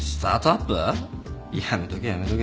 やめとけやめとけ。